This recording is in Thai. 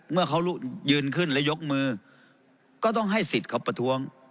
เมื่อเขายืนขึ้นและยกมือก็ต้องให้สิทธิ์เขาประท้วง